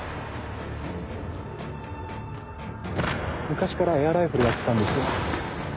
昔からエアライフルやってたんですよ。